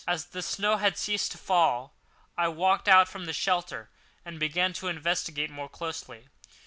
As the snow had ceased to fall, I walked out from the shelter and began to investigate more closely.